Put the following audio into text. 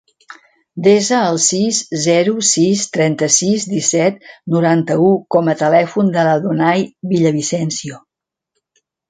Desa el sis, zero, sis, trenta-sis, disset, noranta-u com a telèfon de l'Adonay Villavicencio.